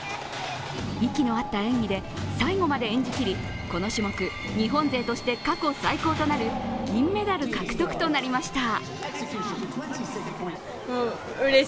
息の合った演技で最後まで演じきりこの種目、日本勢として過去最高となる銀メダル獲得となりました。